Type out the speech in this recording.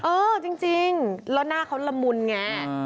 เออจริงแล้วหน้าเขาละมุนไง